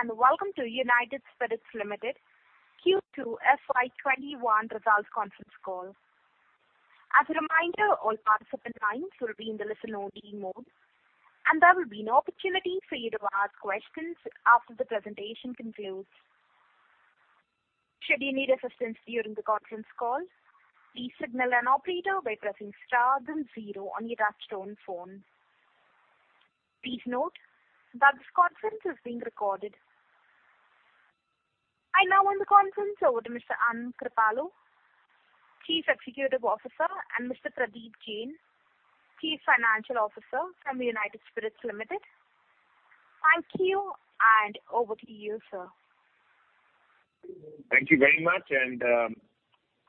Ladies and gentlemen, good day, and welcome to United Spirits Limited Q2 FY21 results conference call. As a reminder, all participants' lines will be in the listen-only mode, and there will be no opportunity for you to ask questions after the presentation concludes. Should you need assistance during the conference call, please signal an operator by pressing star then zero on your touch-tone phone. Please note that this conference is being recorded. I now hand the conference over to Mr. Anand Kripalu, Chief Executive Officer, and Mr. Pradeep Jain, Chief Financial Officer from United Spirits Limited. Thank you, and over to you, sir. Thank you very much, and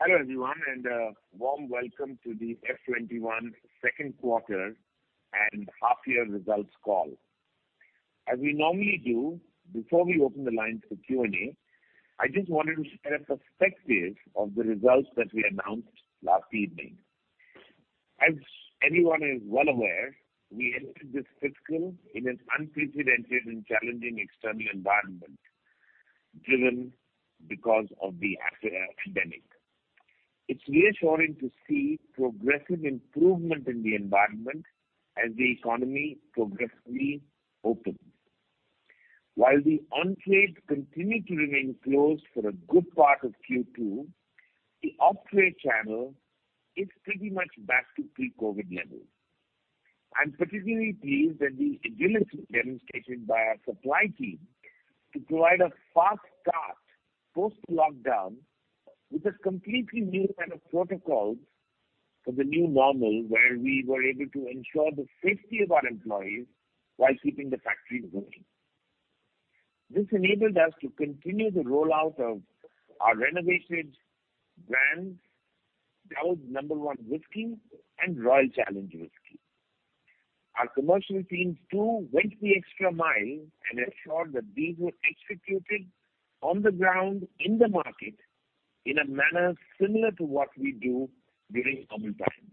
hello everyone, and a warm welcome to the FY21 second quarter and half-year results call. As we normally do, before we open the lines for Q&A, I just wanted to share a perspective of the results that we announced last evening. As everyone is well aware, we entered this fiscal in an unprecedented and challenging external environment, driven because of the pandemic. It's reassuring to see progressive improvement in the environment as the economy progressively opens. While the on-trade continued to remain closed for a good part of Q2, the off-trade channel is pretty much back to pre-COVID levels. I'm particularly pleased at the agility demonstrated by our supply team to provide a fast start post-lockdown with a completely new set of protocols for the new normal, where we were able to ensure the safety of our employees while keeping the factories running. This enabled us to continue the rollout of our renovated brands, McDowell's No.1 Whisky, and Royal Challenge Whisky. Our commercial teams, too, went the extra mile and ensured that these were executed on the ground in the market in a manner similar to what we do during normal times.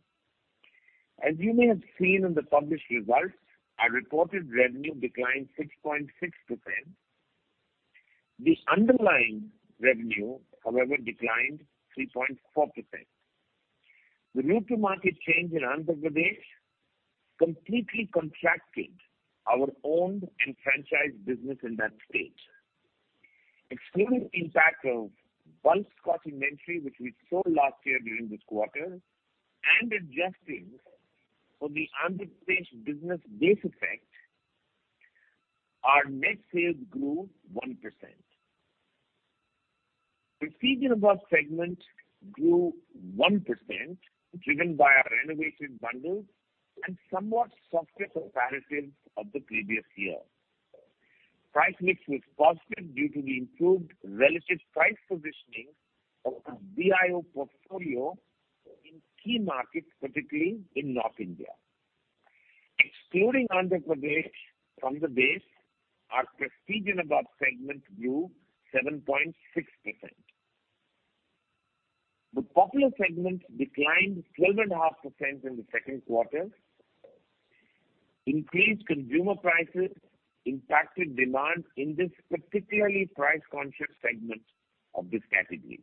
As you may have seen in the published results, our reported revenue declined 6.6%. The underlying revenue, however, declined 3.4%. The route-to-market change in Andhra Pradesh completely contracted our owned and franchised business in that state. Excluding the impact of bulk scotch inventory, which we sold last year during this quarter, and adjusting for the Andhra Pradesh business base effect, our net sales grew 1%. The prestige and above segment grew 1%, driven by our renovated bundles and somewhat softer comparatives of the previous year. Price mix was positive due to the improved relative price positioning of the BIO portfolio in key markets, particularly in North India. Excluding Andhra Pradesh from the base, our prestige and above segment grew 7.6%. The popular segment declined 12.5% in the second quarter. Increased consumer prices impacted demand in this particularly price-conscious segment of this category.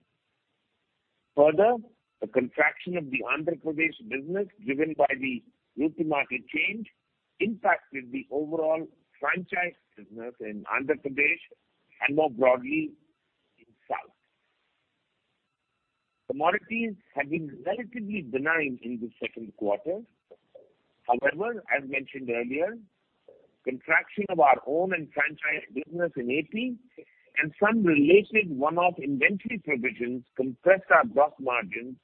Further, the contraction of the Andhra Pradesh business, driven by the route-to-market change, impacted the overall franchise business in Andhra Pradesh and more broadly in South. Commodities have been relatively benign in the second quarter. However, as mentioned earlier, contraction of our owned and franchised business in AP and some related one-off inventory provisions compressed our gross margins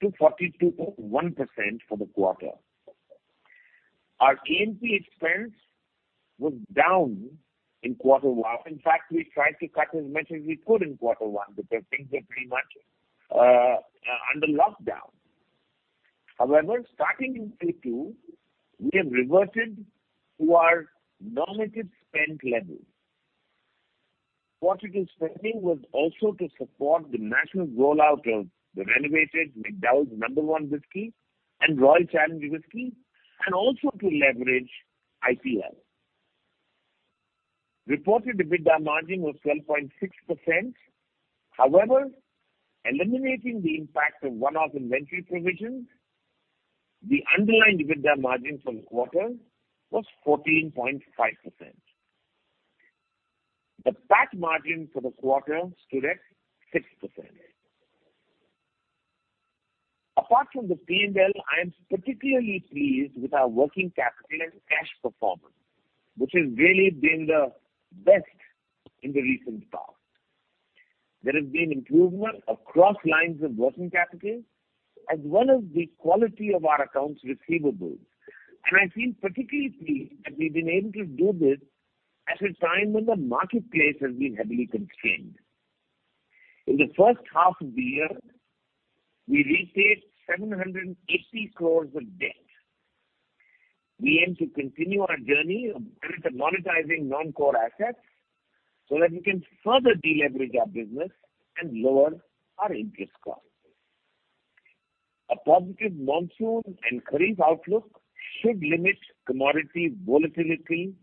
to 42.1% for the quarter. Our A&P expense was down in quarter one. In fact, we tried to cut as much as we could in quarter one because things were pretty much under lockdown. However, starting in Q2, we have reverted to our normative spend level. Reported spending was also to support the national rollout of the renovated McDowell's No.1 Whisky and Royal Challenge Whisky, and also to leverage IPL. Reported EBITDA margin was 12.6%. However, eliminating the impact of one-off inventory provisions, the underlying EBITDA margin for the quarter was 14.5%. The PAT margin for the quarter stood at 6%. Apart from the P&L, I am particularly pleased with our working capital and cash performance, which has really been the best in the recent past. There has been improvement across lines of working capital, as well as the quality of our accounts receivables, and I feel particularly pleased that we've been able to do this at a time when the marketplace has been heavily constrained. In the first half of the year, we repaid 780 crores of debt. We aim to continue our journey of monetizing non-core assets so that we can further deleverage our business and lower our interest costs. A positive monsoon and crop outlook should limit commodity volatility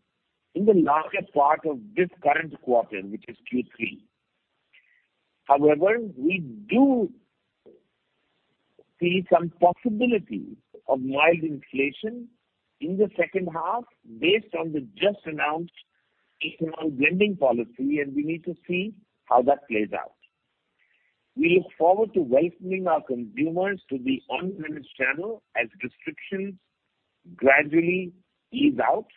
in the larger part of this current quarter, which is Q3. However, we do see some possibility of mild inflation in the second half based on the just announced ethanol blending policy, and we need to see how that plays out. We look forward to welcoming our consumers to the on-premise channel as restrictions gradually ease out,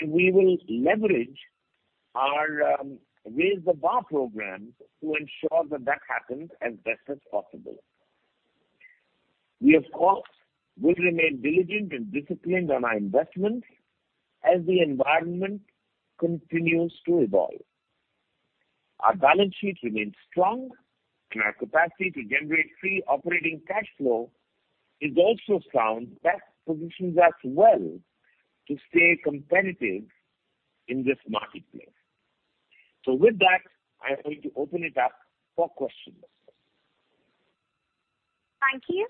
and we will leverage our Raise The Bar program to ensure that that happens as best as possible. We, of course, will remain diligent and disciplined on our investments as the environment continues to evolve. Our balance sheet remains strong, and our capacity to generate free operating cash flow is also sound. That positions us well to stay competitive in this marketplace. So with that, I'm going to open it up for questions. Thank you.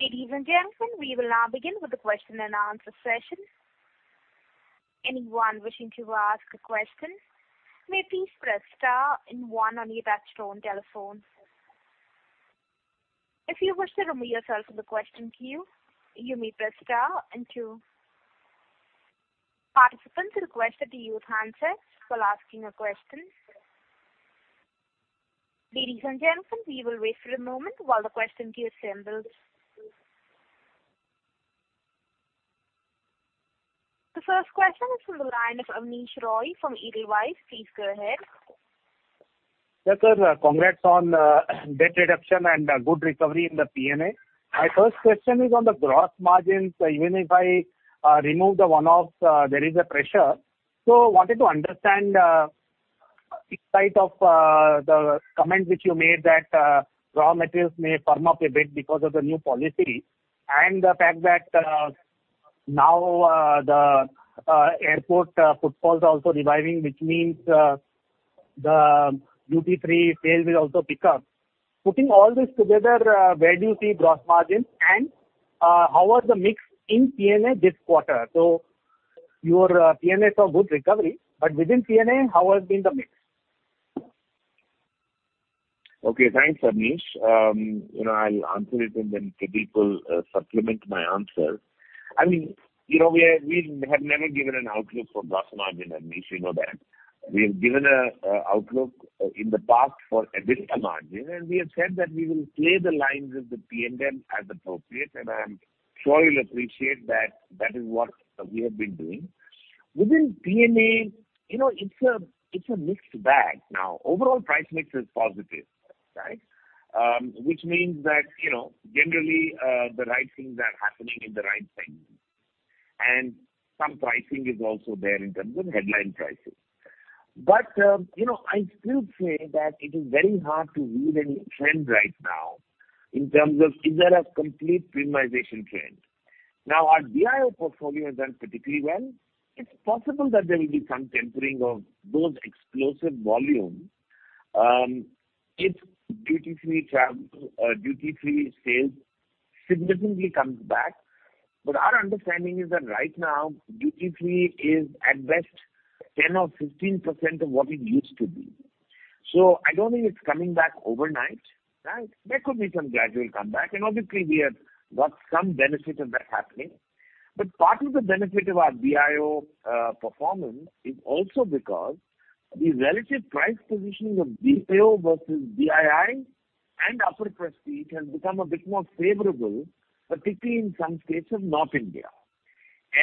Ladies and gentlemen, we will now begin with the question and answer session. Anyone wishing to ask a question may please press star and one on your touch-tone telephone. If you wish to remove yourself from the question queue, you may press star and two. Participants are requested to use handsets while asking a question. Ladies and gentlemen, we will wait for a moment while the question queue assembles. The first question is from the line of Abneesh Roy from Edelweiss. Please go ahead. Yes, sir. Congrats on debt reduction and good recovery in the P&A. My first question is on the gross margins. Even if I remove the one-offs, there is a pressure. So I wanted to understand the insight of the comment which you made that raw materials may firm up a bit because of the new policy and the fact that now the airport footfalls are also reviving, which means the Q3 sales will also pick up. Putting all this together, where do you see gross margins and how was the mix in P&A this quarter? So your P&A saw good recovery, but within P&A, how has been the mix? Okay. Thanks, Abneesh. I'll answer it, and then Pradeep will supplement my answer. I mean, we have never given an outlook for gross margin, Abneesh. You know that. We have given an outlook in the past for additional margin, and we have said that we will play the lines of the P&L as appropriate, and I'm sure you'll appreciate that that is what we have been doing. Within P&A, it's a mixed bag now. Overall price mix is positive, right? Which means that generally the right things are happening in the right segment. And some pricing is also there in terms of headline pricing. But I still say that it is very hard to read any trend right now in terms of is there a complete premiumization trend. Now, our BIO portfolio has done particularly well. It's possible that there will be some tempering of those explosive volumes if duty-free sales significantly come back. But our understanding is that right now, duty-free is at best 10% or 15% of what it used to be. So I don't think it's coming back overnight, right? There could be some gradual comeback, and obviously, we have got some benefit of that happening. But part of the benefit of our BIO performance is also because the relative price positioning of BIO versus BII and upper prestige has become a bit more favorable, particularly in some states of North India.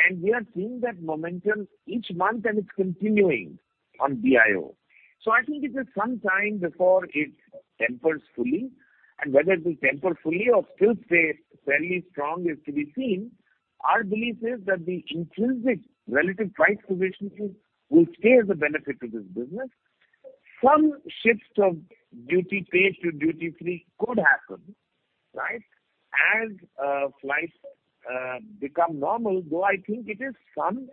And we are seeing that momentum each month, and it's continuing on BIO. So I think it is some time before it tempers fully, and whether it will temper fully or still stay fairly strong is to be seen. Our belief is that the intrinsic relative price positioning will stay as a benefit to this business. Some shift of duty-paid to duty-free could happen, right, as flights become normal, though I think it is some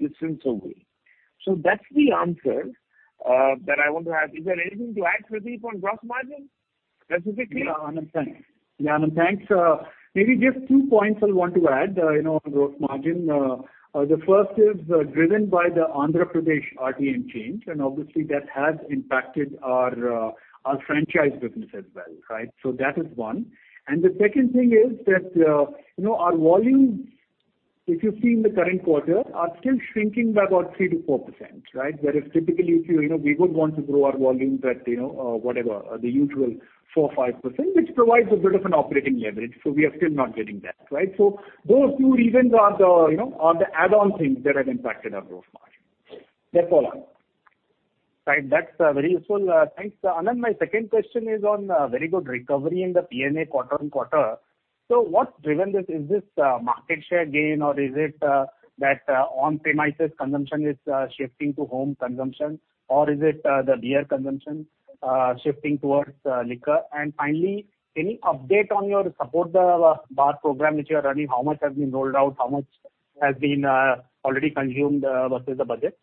distance away. So that's the answer that I want to have. Is there anything to add, Pradeep, on gross margin specifically? Yeah, Anand. Thanks. Maybe just two points I'll want to add on gross margin. The first is driven by the Andhra Pradesh RTM change, and obviously, that has impacted our franchise business as well, right? So that is one. And the second thing is that our volumes, if you've seen the current quarter, are still shrinking by about 3%-4%, right? Whereas typically, we would want to grow our volumes at whatever, the usual 4%-5%, which provides a bit of an operating leverage. So we are still not getting that, right? So those two reasons are the add-on things that have impacted our gross margin. That's all. That's very useful. Thanks, Anand. My second question is on very good recovery in the P&A quarter-on-quarter. So what's driven this? Is this market share gain, or is it that on-premises consumption is shifting to home consumption, or is it the beer consumption shifting towards liquor? And finally, any update on your support bar program which you are running? How much has been rolled out? How much has been already consumed versus the budget?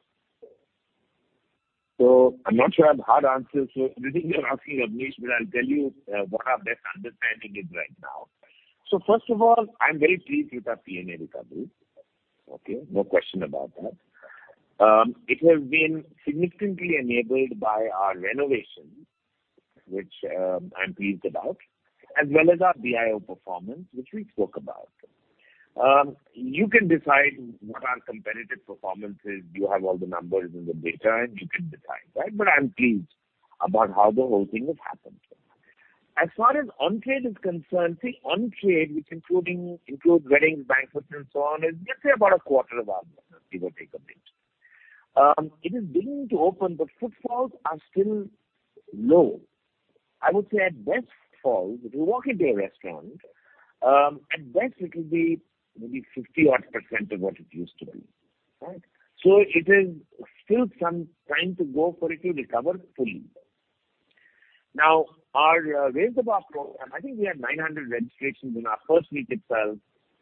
I'm not sure I've had answers. Everything you're asking of me, but I'll tell you what our best understanding is right now. First of all, I'm very pleased with our P&A recovery. Okay? No question about that. It has been significantly enabled by our renovation, which I'm pleased about, as well as our BIO performance, which we spoke about. You can decide what our competitive performance is. You have all the numbers in the data, and you can decide, right? But I'm pleased about how the whole thing has happened. As far as on-trade is concerned, see, on-trade, which includes weddings, banquets, and so on, is, let's say, about a quarter of our business, give or take a bit. It is beginning to open, but footfalls are still low. I would say at best, footfalls, if you walk into a restaurant, at best, it will be maybe 50-odd% of what it used to be, right? So it is still some time to go for it to recover fully. Now, our Raise The Bar program, I think we had 900 registrations in our first week itself.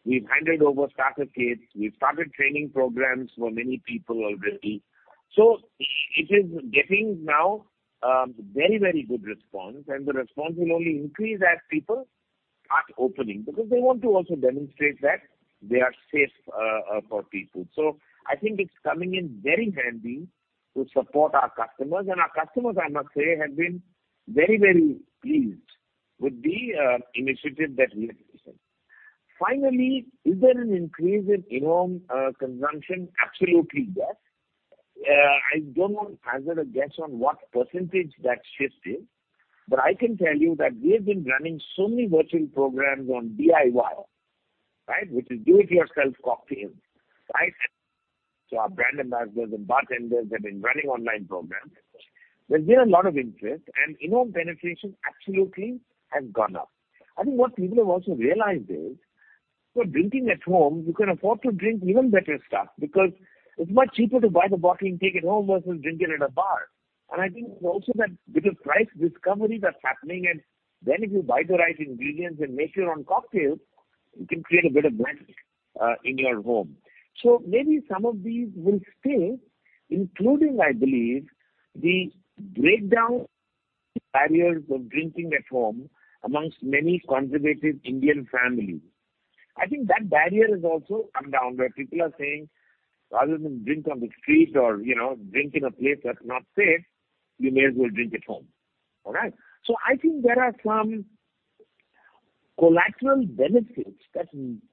We've handed over starter kits. We've started training programs for many people already. So it is getting now very, very good response, and the response will only increase as people start opening because they want to also demonstrate that they are safe for people. So I think it's coming in very handy to support our customers. And our customers, I must say, have been very, very pleased with the initiative that we have taken. Finally, is there an increase in in-home consumption? Absolutely, yes. I don't want to answer a guess on what percentage that shift is, but I can tell you that we have been running so many virtual programs on DIY, right, which is do-it-yourself cocktails, right? So our brand ambassadors and bartenders have been running online programs. There's been a lot of interest, and in-home penetration absolutely has gone up. I think what people have also realized is, you're drinking at home, you can afford to drink even better stuff because it's much cheaper to buy the bottle and take it home versus drinking at a bar. And I think it's also that bit of price discovery that's happening, and then if you buy the right ingredients and make your own cocktails, you can create a bit of magic in your home. So maybe some of these will still include, I believe, the breakdown barriers of drinking at home amongst many conservative Indian families. I think that barrier has also come down where people are saying, rather than drink on the street or drink in a place that's not safe, you may as well drink at home, all right? So I think there are some collateral benefits that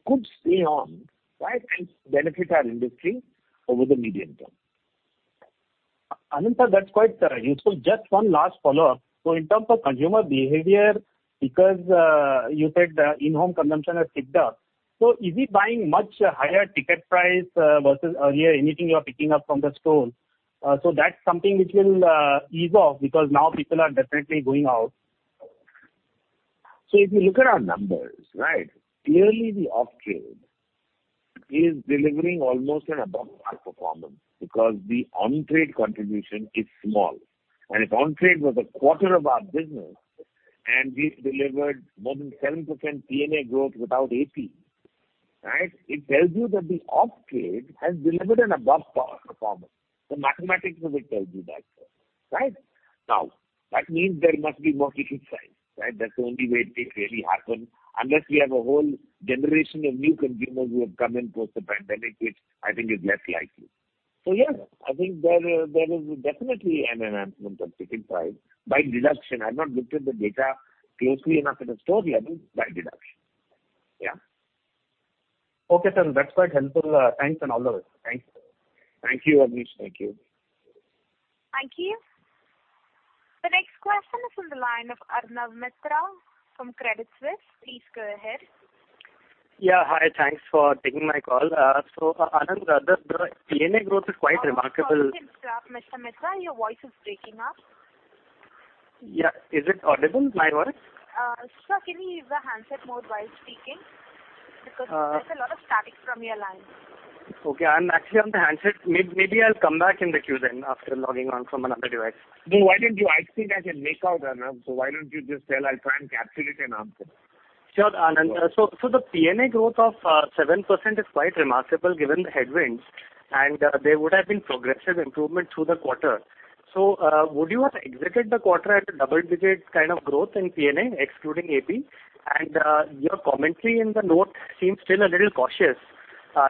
could stay on, right, and benefit our industry over the medium term. Anand, that's quite useful. Just one last follow-up. So in terms of consumer behavior, because you said in-home consumption has picked up, so is it buying much higher ticket price versus earlier? Anything you are picking up from the store? So that's something which will ease off because now people are definitely going out. So if you look at our numbers, right, clearly the off-trade is delivering almost an above-par performance because the on-trade contribution is small. And if on-trade was a quarter of our business and we delivered more than 7% P&A growth without AP, right, it tells you that the off-trade has delivered an above-par performance. The mathematics of it tells you that, right? Now, that means there must be more ticket size, right? That's the only way it really happens unless we have a whole generation of new consumers who have come in post-pandemic, which I think is less likely. So yes, I think there is definitely an enhancement of ticket size by deduction. I've not looked at the data closely enough at a store level by deduction. Yeah. Okay, sir. That's quite helpful. Thanks and all the best. Thanks. Thank you, Abneesh. Thank you. Thank you. The next question is from the line of Arnab Mitra from Credit Suisse. Please go ahead. Yeah. Hi. Thanks for taking my call, so Anand, the P&A growth is quite remarkable. Hi, Mr. Mitra. Your voice is breaking up. Yeah. Is it audible, my voice? Sir, can you use the handset mode while speaking? Because there's a lot of static from your line. Okay. I'm actually on the handset. Maybe I'll come back in the queue then after logging on from another device. No, why don't you—I think I can make out, Arnab. So why don't you just tell—I'll try and capture it and answer. Sure, Anand. So the P&A growth of 7% is quite remarkable given the headwinds, and there would have been progressive improvement through the quarter. So would you have exited the quarter at a double-digit kind of growth in P&A, excluding AP? And your commentary in the note seems still a little cautious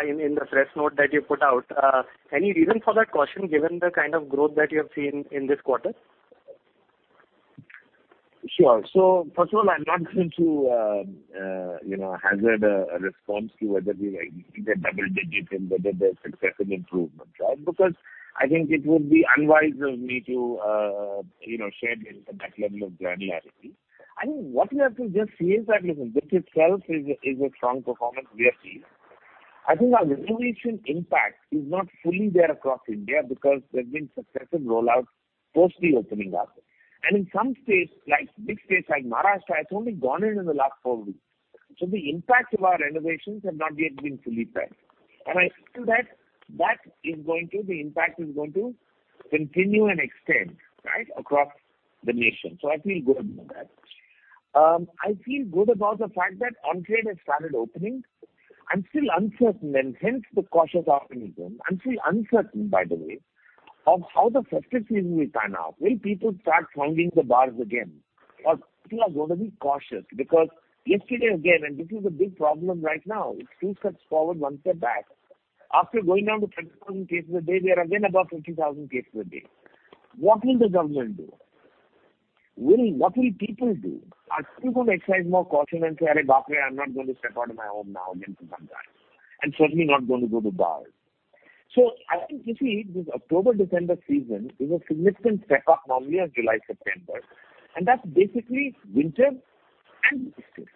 in the press note that you put out. Any reason for that caution given the kind of growth that you have seen in this quarter? Sure, so first of all, I'm not going to hazard a response to whether we were increasing the double-digit and whether there's successive improvement, right? Because I think it would be unwise of me to share this at that level of granularity. I think what we have to just see is that, look, this itself is a strong performance we have seen. I think our renovation impact is not fully there across India because there have been successive rollouts post the opening hours, and in some states, like big states like Maharashtra, it's only gone in the last four weeks, so the impact of our renovations has not yet been fully felt, and I feel that that is going to, the impact is going to continue and extend, right, across the nation, so I feel good about that. I feel good about the fact that on-trade has started opening. I'm still uncertain, and hence the cautious optimism. I'm still uncertain, by the way, of how the festive season will turn out. Will people start frequenting the bars again? Or people are going to be cautious because yesterday again—and this is a big problem right now. It's two steps forward, one step back. After going down to 20,000 cases a day, we are again above 50,000 cases a day. What will the government do? What will people do? Are people going to exercise more caution and say, "No, I'm not going to step out of my home now and drink at some bars?" And certainly not going to go to bars. So I think, you see, this October-December season is a significant step up normally of July-September, and that's basically winter and festive.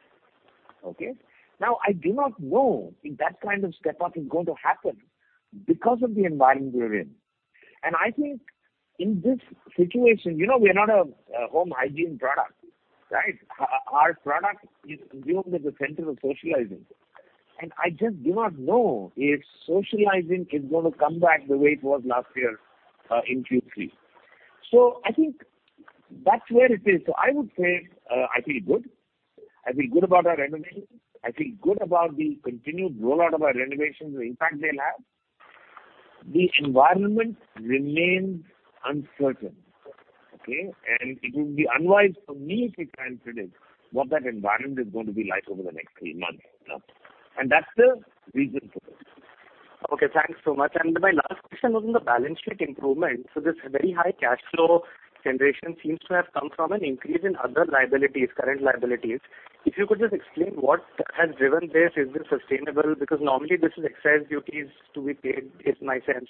Okay? Now, I do not know if that kind of step up is going to happen because of the environment we're in. And I think in this situation, we're not a home hygiene product, right? Our product is consumed as a center of socializing. And I just do not know if socializing is going to come back the way it was last year in Q3. So I think that's where it is. So I would say I feel good. I feel good about our renovations. I feel good about the continued rollout of our renovations and the impact they'll have. The environment remains uncertain, okay? And it would be unwise for me to try and predict what that environment is going to be like over the next three months, you know? And that's the reason for it. Okay. Thanks so much. And my last question was on the balance sheet improvement. So this very high cash flow generation seems to have come from an increase in other liabilities, current liabilities. If you could just explain what has driven this, is this sustainable? Because normally this is excise duties to be paid, it's my sense.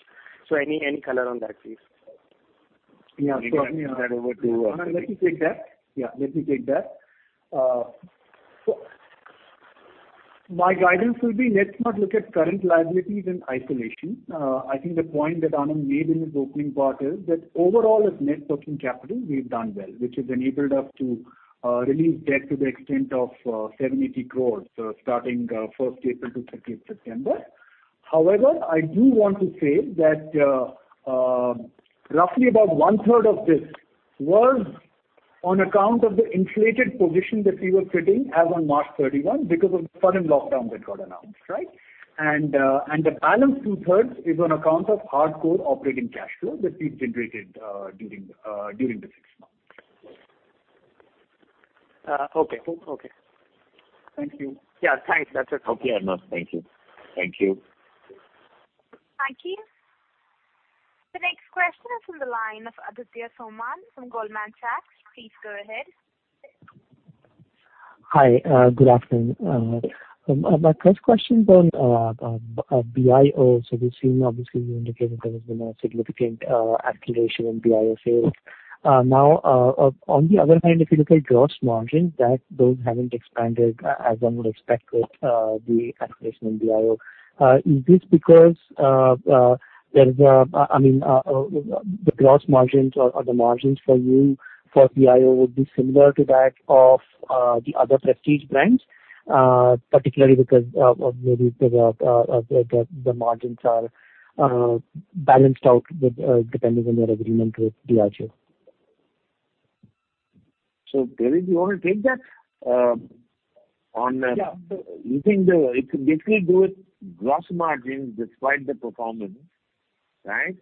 So any color on that, please? Yeah, so I'll pass that over to Pradeep. Let me take that. Yeah. Let me take that. So my guidance will be let's not look at current liabilities in isolation. I think the point that Anand made in his opening part is that overall, as net working capital, we've done well, which has enabled us to release debt to the extent of 780 crores starting April 1st to September 30th. However, I do want to say that roughly about one-third of this was on account of the inflated position that we were sitting as on March 31 because of the sudden lockdown that got announced, right? And the balance two-thirds is on account of hardcore operating cash flow that we've generated during the six months. Okay. Thank you. Yeah. Thanks. That's it. Okay, Arnab. Thank you. Thank you. The next question is from the line of Aditya Soman from Goldman Sachs. Please go ahead. Hi. Good afternoon. My first question is on BIO. So we've seen, obviously, you indicated there has been a significant acceleration in BIO sales. Now, on the other hand, if you look at gross margins, those haven't expanded as one would expect with the acceleration in BIO. Is this because there is a—I mean, the gross margins or the margins for you for BIO would be similar to that of the other prestige brands, particularly because maybe the margins are balanced out depending on your agreement with BIO? So Pradeep, you want to take that? Yeah. So you think it could basically do with gross margins despite the performance, right?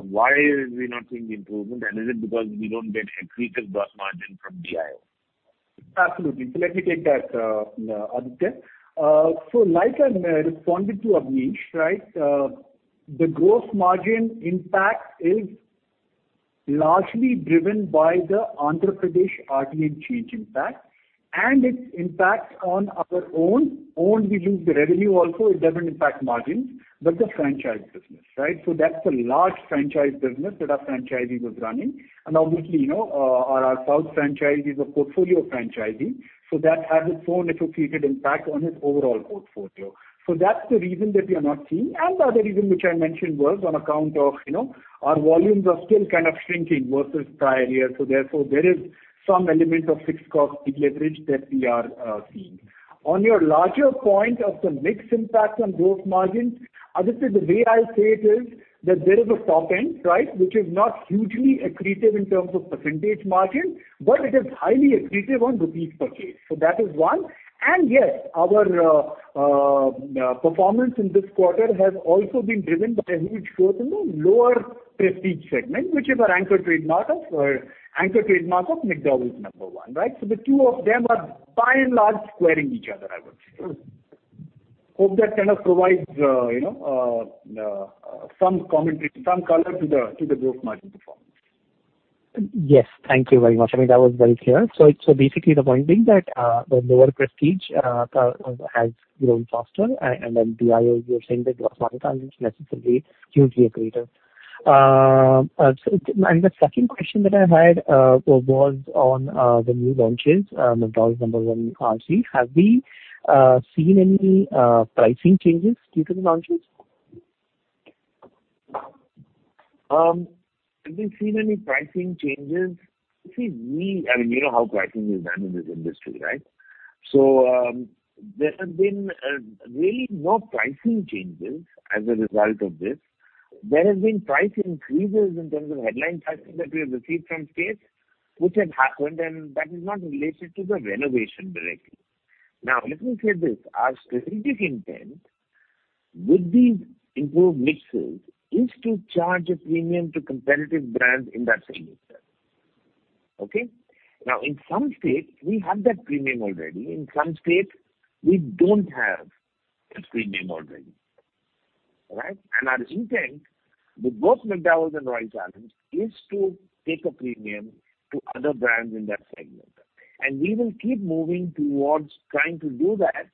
Why are we not seeing improvement? And is it because we don't get increases gross margin from BIO? Absolutely. So let me take that, Aditya. So like I responded to Abneesh, right, the gross margin impact is largely driven by the Andhra Pradesh RTM change impact, and its impact on our own only the revenue also. It doesn't impact margins but the franchise business, right? So that's a large franchise business that our franchisee was running. And obviously, our South franchise is a portfolio franchisee, so that has its own associated impact on its overall portfolio. So that's the reason that we are not seeing. The other reason which I mentioned was on account of our volumes are still kind of shrinking versus prior years. So therefore, there is some element of fixed cost deleverage that we are seeing. On your larger point of the mixed impact on gross margins, Aditya, the way I'll say it is that there is a top end, right, which is not hugely accretive in terms of percentage margin, but it is highly accretive on rupees per case. So that is one. And yes, our performance in this quarter has also been driven by a huge growth in the lower prestige segment, which is our anchor trademark of McDowell's No.1, right? So the two of them are by and large squaring each other, I would say. Hope that kind of provides some color to the gross margin performance. Yes. Thank you very much. I mean, that was very clear. So basically, the point being that the lower prestige has grown faster, and then BIO, you're saying that gross margin is necessarily hugely accretive. The second question that I had was on the new launches, McDowell's No.1 RC. Have we seen any pricing changes due to the launches? Have we seen any pricing changes? See, we—I mean, you know how pricing is done in this industry, right? So there have been really no pricing changes as a result of this. There have been price increases in terms of headline prices that we have received from states, which have happened, and that is not related to the renovation directly. Now, let me say this: our strategic intent with these improved mixes is to charge a premium to competitive brands in that same instance. Okay? Now, in some states, we have that premium already. In some states, we don't have that premium already, right? And our intent with both McDowell's and Royal Challenge is to take a premium to other brands in that segment. And we will keep moving towards trying to do that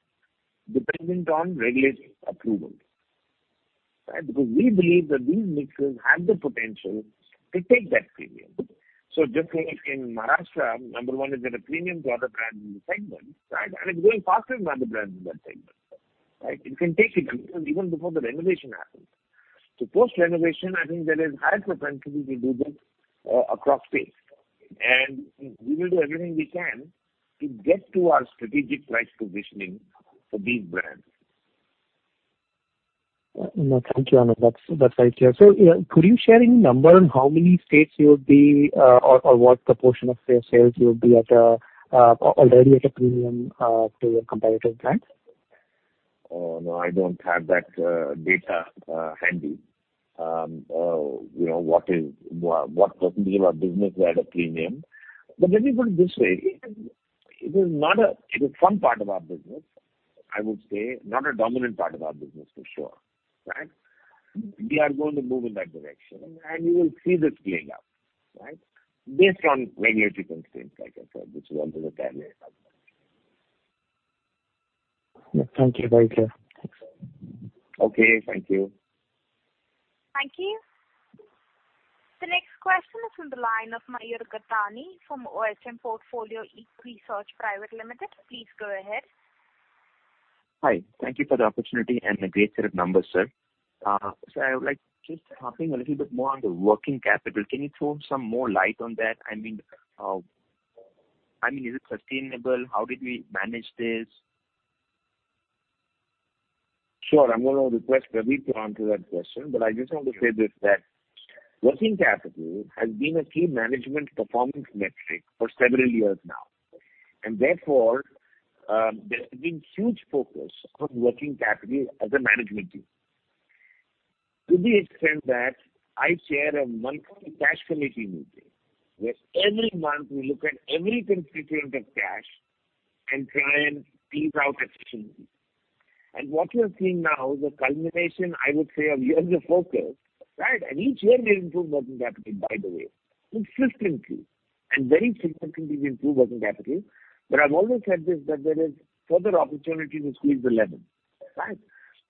dependent on regulatory approval, right? Because we believe that these mixes have the potential to take that premium, so just like in Maharashtra, number one is that a premium to other brands in the segment, right? And it's going faster than other brands in that segment, right? It can take it even before the renovation happens, so post-renovation, I think there is higher propensity to do this across states, and we will do everything we can to get to our strategic price positioning for these brands. So could you share any number on how many states you would be or what proportion of your sales you would be already at a premium to your competitive brands? Oh, no. I don't have that data handy. What percentage of our business is at a premium? But let me put it this way. It is one part of our business, I would say, not a dominant part of our business for sure, right? We are going to move in that direction, and you will see this playing out, right? Based on regulatory constraints, like I said, which is always a barrier in our business. Thank you. Very clear. Okay. Thank you. Thank you. The next question is from the line of Mayur Gathani from Ohm Portfolio Equi Research Private Limited. Please go ahead. Hi. Thank you for the opportunity and the great set of numbers, sir. So I would like just to tap in a little bit more on the working capital. Can you throw some more light on that? I mean, is it sustainable? How did we manage this? Sure. I'm going to request a reply to that question, but I just want to say this: that working capital has been a key management performance metric for several years now. And therefore, there has been huge focus on working capital as a management team. To the extent that I chair a monthly cash committee meeting where every month we look at every constituent of cash and try and tease out efficiencies. And what you're seeing now is a culmination, I would say, of years of focus, right? And each year we improve working capital, by the way, consistently and very frequently we improve working capital. But I've always said this: that there is further opportunity to squeeze the lemon, right?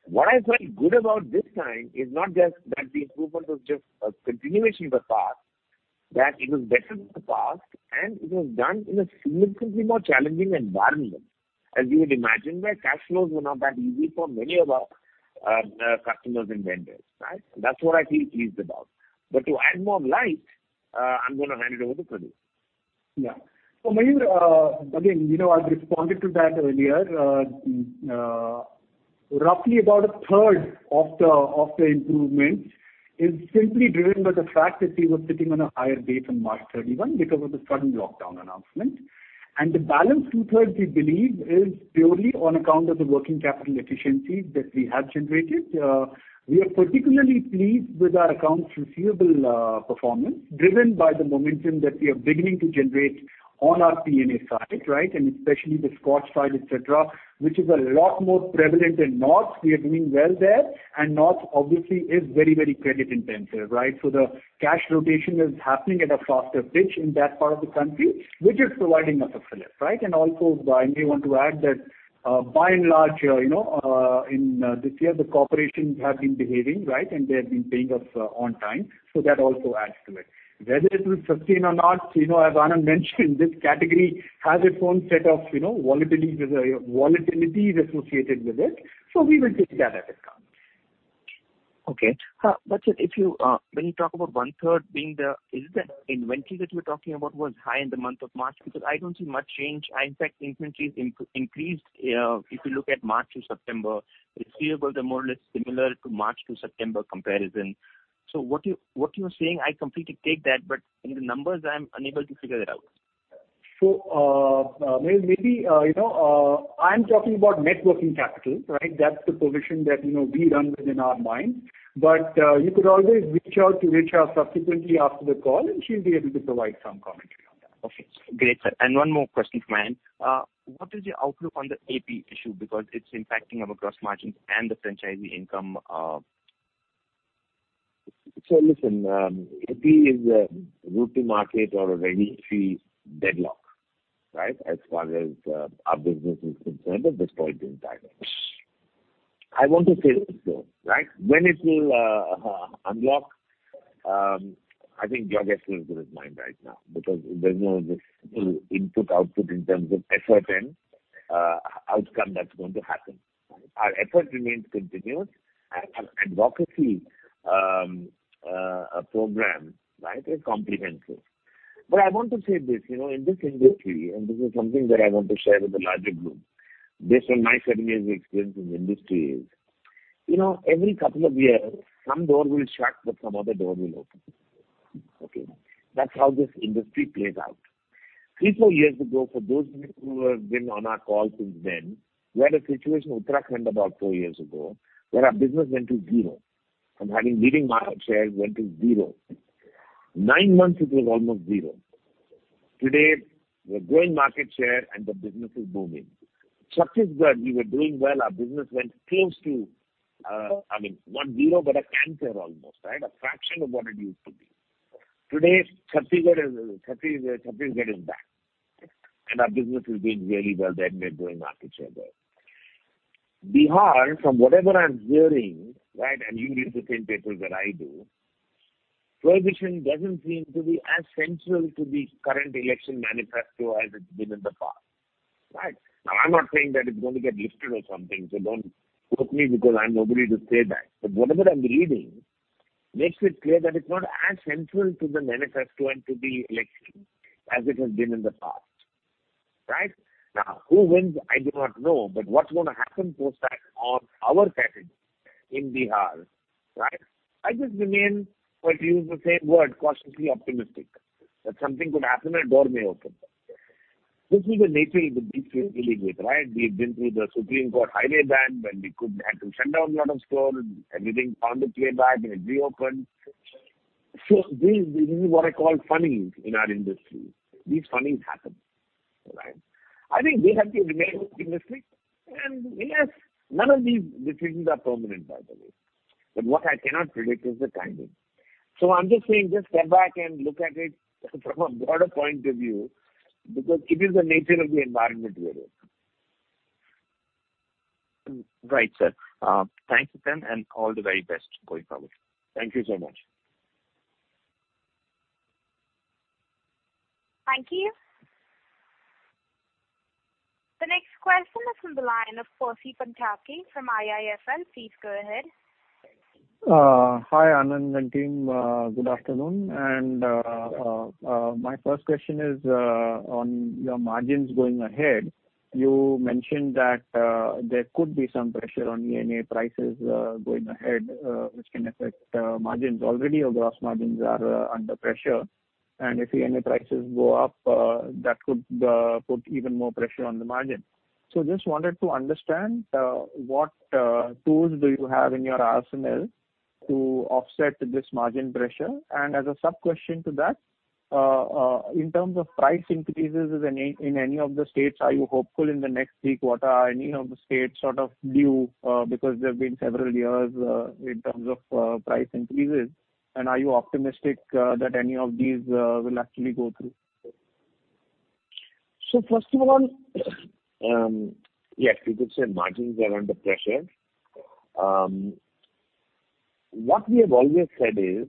What I felt good about this time is not just that the improvement was just a continuation of the past, that it was better than the past, and it was done in a significantly more challenging environment, as you would imagine, where cash flows were not that easy for many of our customers and vendors, right? That's what I feel pleased about. But to add more light, I'm going to hand it over to Pradeep. Yeah, so Mayur, again, you know I've responded to that earlier. Roughly about a third of the improvement is simply driven by the fact that we were sitting on a higher debt on March 31 because of the sudden lockdown announcement. The balance two-thirds, we believe, is purely on account of the working capital efficiencies that we have generated. We are particularly pleased with our accounts receivable performance driven by the momentum that we are beginning to generate on our P&A side, right, and especially the Scotch side, etc., which is a lot more prevalent in North. We are doing well there. North obviously is very, very credit intensive, right, so the cash rotation is happening at a faster pace in that part of the country, which is providing us a lift, right? And also, I may want to add that by and large, in this year, the corporations have been behaving, right? And they have been paying us on time. So that also adds to it. Whether it will sustain or not, as Anand mentioned, this category has its own set of volatilities associated with it. So we will take that into account. Okay. But if you, when you talk about one-third being the, is it that inventory that you were talking about was high in the month of March? Because I don't see much change. In fact, inventory increased if you look at March to September. Receivables are more or less similar to March to September comparison. So what you're saying, I completely take that, but in the numbers, I'm unable to figure it out. So maybe I'm talking about working capital, right? That's the position that we run within our mind. But you could always reach out to Richa subsequently after the call, and she'll be able to provide some commentary on that. Okay. Great. And one more question from my end. What is the outlook on the AP issue? Because it's impacting our gross margins and the franchisee income. So listen, AP is a rocky market or a regulatory deadlock, right, as far as our business is concerned at this point in time. I want to say it's so, right? When it will unlock, I think your guess is as good as mine right now because there's no input/output in terms of effort and outcome that's going to happen, right? Our effort remains continuous, and our advocacy program, right, is comprehensive. But I want to say this: in this industry, and this is something that I want to share with the larger group, based on my seven years of experience in the industry, every couple of years, some door will shut, but some other door will open. Okay? That's how this industry plays out. Three, four years ago, for those who have been on our call since then, we had a situation in Uttarakhand about four years ago where our business went to zero. Our leading market shares went to zero. Nine months, it was almost zero. Today, we're growing market share, and the business is booming. Chhattisgarh, we were doing well. Our business went close to—I mean, not zero, but a quarter almost, right? A fraction of what it used to be. Today, Chhattisgarh is back, and our business is doing really well. They're growing market share there. Bihar, from whatever I'm hearing, right, and you read the same papers that I do, prohibition doesn't seem to be as central to the current election manifesto as it's been in the past, right? Now, I'm not saying that it's going to get lifted or something, so don't quote me because I'm nobody to say that. But whatever I'm reading makes it clear that it's not as central to the manifesto and to the election as it has been in the past, right? Now, who wins, I do not know, but what's going to happen post-fact on our category in Bihar, right? I just remain, for to use the same word, cautiously optimistic that something could happen and a door may open. This is the nature of the beast we're dealing with, right? We've been through the Supreme Court highway ban when we had to shut down a lot of stores. Everything found a playback, and it reopened. So this is what I call funnies in our industry. These funnies happen, right? I think we have to remain optimistic. Yes, none of these decisions are permanent, by the way. What I cannot predict is the timing. I'm just saying, just step back and look at it from a broader point of view because it is the nature of the environment we're in. Right, sir. Thanks to them and all the very best going forward. Thank you so much. Thank you. The next question is from the line of Percy Panthaki from IIFL. Please go ahead. Hi, Anand and team. Good afternoon. My first question is on your margins going ahead. You mentioned that there could be some pressure on ENA prices going ahead, which can affect margins. Already, your gross margins are under pressure. And if ENA prices go up, that could put even more pressure on the margins. So just wanted to understand what tools do you have in your arsenal to offset this margin pressure? And as a sub-question to that, in terms of price increases in any of the states, are you hopeful in the next week? What are any of the states sort of due because there have been several years in terms of price increases? And are you optimistic that any of these will actually go through? So first of all, yes, you could say margins are under pressure. What we have always said is,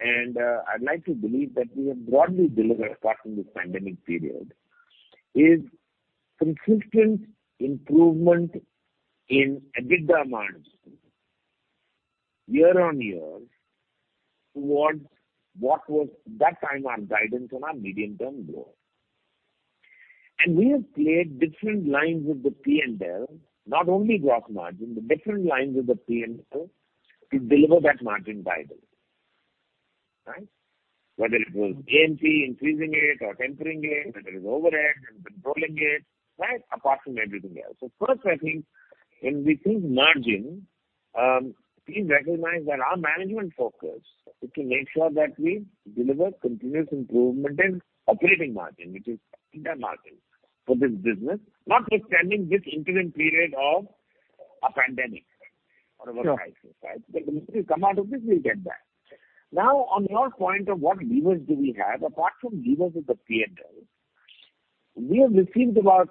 and I'd like to believe that we have broadly delivered part of this pandemic period, is consistent improvement in EBITDA margins year on year towards what was at that time our guidance on our medium-term goal. And we have played different lines with the P&L, not only gross margin, but different lines with the P&L to deliver that margin guidance, right? Whether it was A&P increasing it or tempering it, whether it was overhead and controlling it, right? Apart from everything else. So first, I think when we think margin, please recognize that our management focus is to make sure that we deliver continuous improvement in operating margin, which is EBITDA margin for this business, notwithstanding this interim period of a pandemic or of a crisis, right? But when we come out of this, we'll get back. Now, on your point of what levers do we have, apart from levers with the P&L, we have received about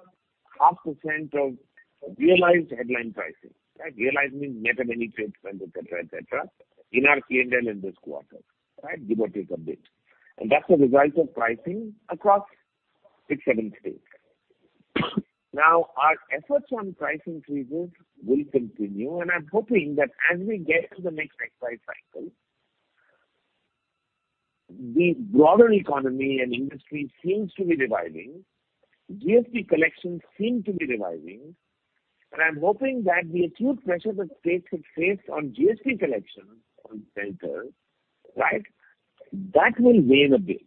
0.5% of realized headline pricing, right? Realized means net of any trade spend, etc., etc., in our P&L in this quarter, right? Give or take a bit. And that's the result of pricing across six, seven states. Now, our efforts on price increases will continue. And I'm hoping that as we get to the next exercise cycle, the broader economy and industry seems to be revising. GST collections seem to be revising. And I'm hoping that the acute pressure that states have faced on GST collections on Centre, right? That will wane a bit,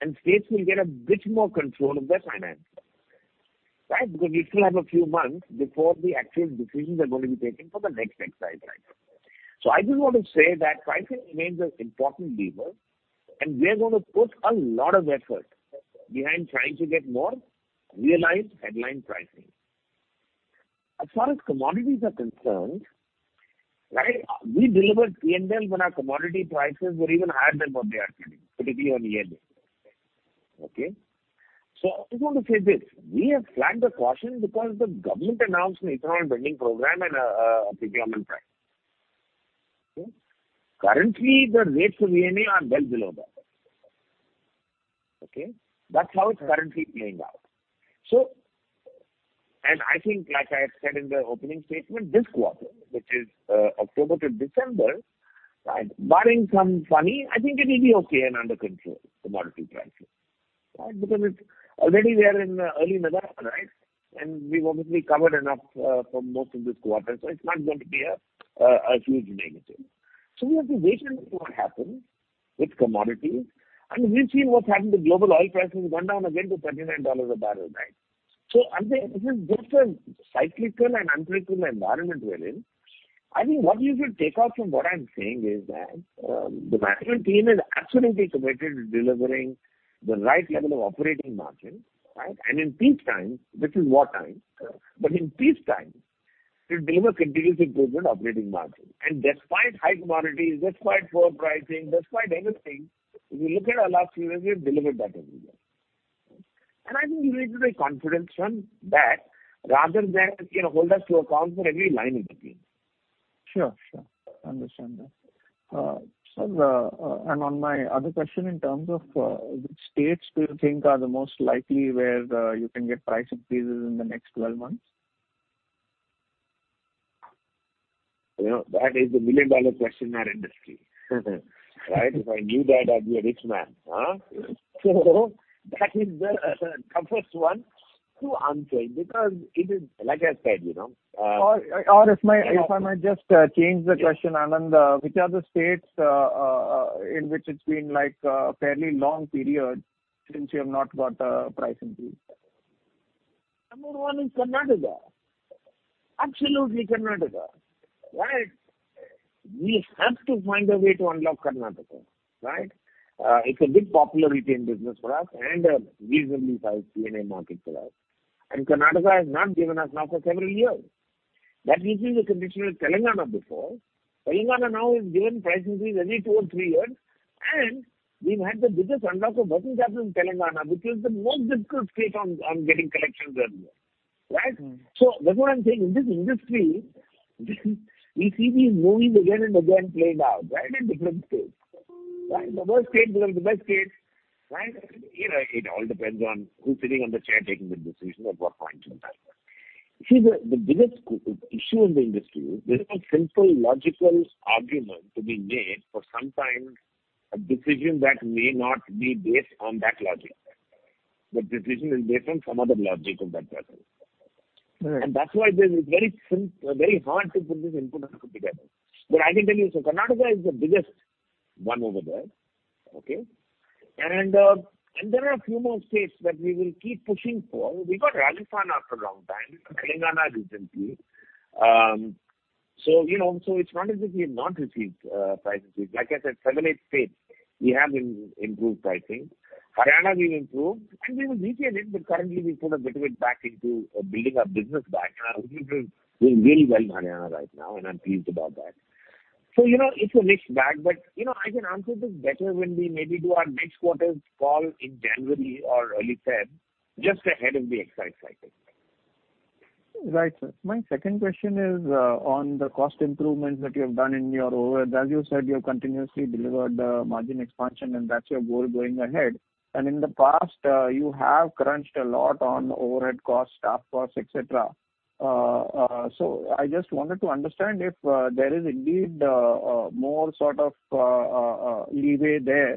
and states will get a bit more control of their finances, right? Because we still have a few months before the actual decisions are going to be taken for the next exercise cycle. So I just want to say that pricing remains an important lever, and we are going to put a lot of effort behind trying to get more realized headline pricing. As far as commodities are concerned, right, we delivered P&L when our commodity prices were even higher than what they are today, particularly on ENA. Okay? So I just want to say this: we have flanked the caution because the government announced an ethanol blending program and a procurement price. Okay? Currently, the rates of ENA are well below that. Okay? That's how it's currently playing out. So, and I think, like I had said in the opening statement, this quarter, which is October to December, right, barring some funnies, I think it will be okay and under control commodity pricing, right? Because already we are in the early November, right? And we've obviously covered enough for most of this quarter, so it's not going to be a huge negative. So we have to wait and see what happens with commodities. And we've seen what's happened: the global oil prices have gone down again to $39 a barrel, right? So I'm saying this is just a cyclical and unpredictable environment we're in. I think what you should take out from what I'm saying is that the management team is absolutely committed to delivering the right level of operating margin, right? And in peak times, this is wartime, but in peak times, to deliver continuous improvement operating margin. And despite high commodities, despite poor pricing, despite anything, if you look at our last few years, we have delivered that every year. And I think we need to take confidence from that rather than hold us to account for every line of the game. Sure, sure. Understand that. Sir, and on my other question, in terms of which states do you think are the most likely where you can get price increases in the next 12 months? That is the million-dollar question in our industry, right? If I knew that, I'd be a rich man. So that is the toughest one to answer because it is, like I said. or if I might just change the question, Anand, which are the states in which it's been like a fairly long period since you have not got a price increase? Number one is Karnataka. Absolutely Karnataka, right? We have to find a way to unlock Karnataka, right? It's a big opportunity in business for us and a reasonably sized P&A market for us. And Karnataka has not given us now for several years. That gives you the condition of Telangana before. Telangana now is given price increase every two or three years. And we've had the biggest unlock of bottom gap in Telangana, which is the most difficult state on getting collections earlier, right? So that's what I'm saying. In this industry, we see these moves again and again played out, right, in different states, right? The worst state, the best state, right? It all depends on who's sitting on the chair taking the decision at what point in time. See, the biggest issue in the industry is there's no simple logical argument to be made for sometimes a decision that may not be based on that logic. The decision is based on some other logic of that person. Right. And that's why it's very hard to put this input and put together. But I can tell you, so Karnataka is the biggest one over there, okay? And there are a few more states that we will keep pushing for. We got Rajasthan after a long time, Telangana recently. So it's not as if we have not received price increase. Like I said, seven, eight states, we have improved pricing. Haryana, we've improved, and we will retain it, but currently, we've put a bit of it back into building our business back. And our business is doing really well in Haryana right now, and I'm pleased about that. So it's a mixed bag, but I can answer this better when we maybe do our next quarter's call in January or early February, just ahead of the excise cycle. Right, sir. My second question is on the cost improvements that you have done in your overhead. As you said, you have continuously delivered margin expansion, and that's your goal going ahead. And in the past, you have crunched a lot on overhead costs, staff costs, etc. So I just wanted to understand if there is indeed more sort of leeway there,